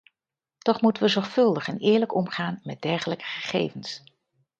Toch moeten we zorgvuldig en eerlijk omgaan met dergelijke gegevens.